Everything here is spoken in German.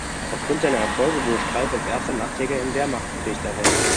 Aufgrund seiner Erfolge, wurde Streib als erster Nachtjäger im Wehrmachtbericht erwähnt.